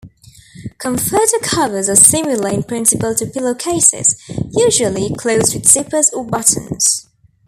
Comforter covers are similar in principle to pillowcases, usually closed with zippers or buttons.